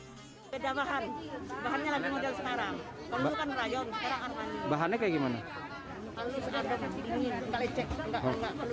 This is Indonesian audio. hai beda bahan bahan yang lagi mudah sekarang kalau bukan rayon bahannya kayak gimana kalau